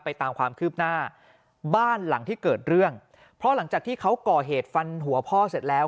ตามความคืบหน้าบ้านหลังที่เกิดเรื่องเพราะหลังจากที่เขาก่อเหตุฟันหัวพ่อเสร็จแล้ว